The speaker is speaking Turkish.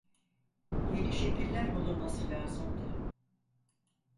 Yeni şekiller bulunması lazımdı.